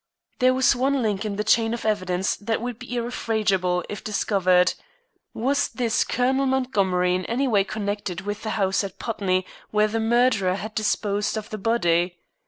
There was one link in the chain of evidence that would be irrefragable if discovered. Was this "Colonel Montgomery" in any way connected with the house at Putney where the murderer had disposed of the body?